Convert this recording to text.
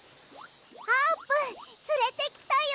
あーぷんつれてきたよ。